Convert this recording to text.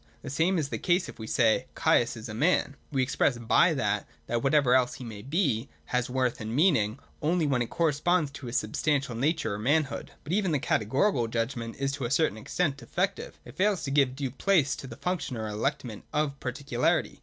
The same is the case if we say, ' Caius is a man.' We express by that, that whatever else he may be, has worth and meaning, only when it corresponds to his substantial nature or manhood. But even the Categorical judgment is to a certain extent defective. It fails to give due place to the function or ele ment of particularity.